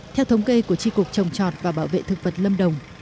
theo thống kê của tri cục trồng trọt và bảo vệ thực vật lâm đồng